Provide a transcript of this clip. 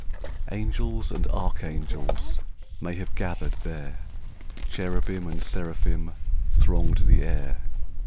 Angels and archangels May have gathered there; Cherubim and seraphim Thronged the air.